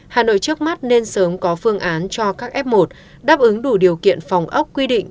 hà nội trước mắt nên sớm có phương án cho các f một đáp ứng đủ điều kiện phòng ốc quy định